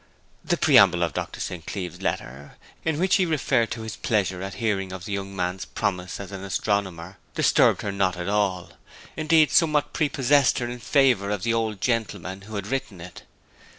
The preamble of Dr. St. Cleeve's letter, in which he referred to his pleasure at hearing of the young man's promise as an astronomer, disturbed her not at all indeed, somewhat prepossessed her in favour of the old gentleman who had written it.